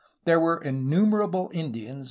There were innumerable Indians .